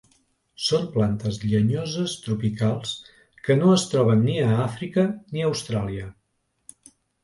Són plantes llenyoses tropicals que no es troben ni a Àfrica ni a Austràlia.